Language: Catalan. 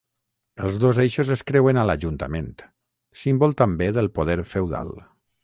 Els dos eixos es creuen a l'Ajuntament, símbol també del poder feudal.